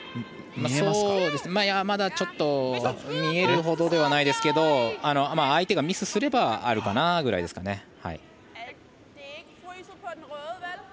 まだちょっと見えるほどではないですけど相手がミスすればあるかなぐらいですかね。